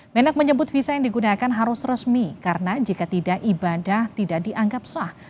menak menyebut visa yang digunakan harus resmi karena jika tidak ibadah tidak dianggap sah